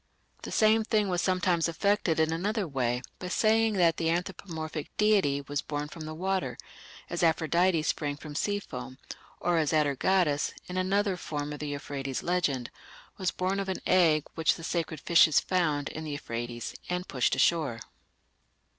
The same thing was sometimes effected in another way by saying that the anthropomorphic deity was born from the water, as Aphrodite sprang from sea foam, or as Atargatis, in another form of the Euphrates legend, ... was born of an egg which the sacred fishes found in the Euphrates and pushed ashore."